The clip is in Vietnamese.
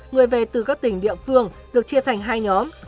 người về từ các tỉnh địa phương được chia thành hai nhóm